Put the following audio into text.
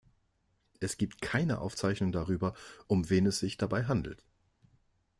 Es gibt keine Aufzeichnungen darüber, um wen es sich dabei handelt.